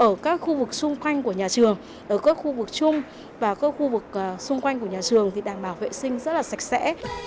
ở các khu vực xung quanh của nhà trường ở các khu vực chung và các khu vực xung quanh của nhà trường thì đảm bảo vệ sinh rất là sạch sẽ